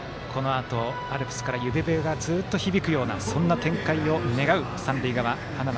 このあとアルプスから指笛がずっと響くようなそんな展開を願う三塁側花巻